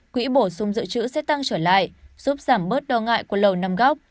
quỹ bổ sung dự trữ sẽ tăng trở lại giúp giảm bớt đo ngại của lầu năm góc